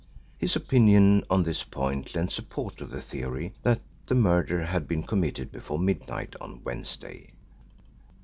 His opinion on this point lent support to the theory that the murder had been committed before midnight on Wednesday.